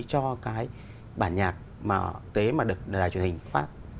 cho cái bản nhạc mà tế mà được đài truyền hình phát